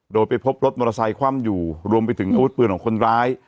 โดยไปพบรถมอเตอร์ไซคว่ำอยู่รวมไปถึงอาวุธปืนของคนร้าย